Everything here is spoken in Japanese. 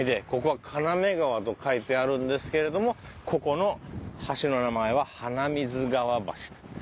ここは「金目川」と書いてあるんですけれどもここの橋の名前は「花水川橋」と。